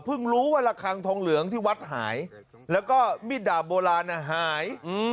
รู้ว่าระคังทองเหลืองที่วัดหายแล้วก็มีดดาบโบราณหาย